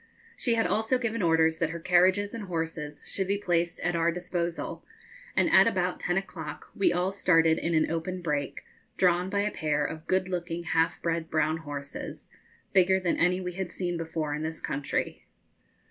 She had also given orders that her carriages and horses should be placed at our disposal, and at about ten o'clock we all started in an open break, drawn by a pair of good looking half bred brown horses, bigger than any we had seen before in this country.